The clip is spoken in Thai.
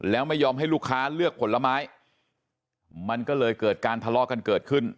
แล้วไม่ยอมให้ลูกค้าเลือกผลไม้มันก็เลยเกิดการทะเลาะกันเกิดขึ้น